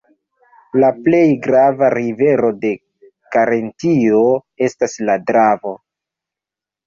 La plej grava rivero de Karintio estas la Dravo.